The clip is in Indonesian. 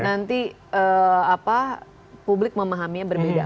nanti publik memahaminya berbeda